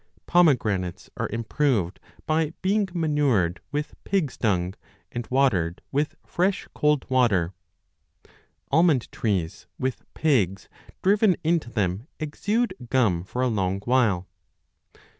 Pomegranates are improved by being manured with pigs dung and watered with fresh cold water. Almond trees with pegs driven into them exude gum for a long while.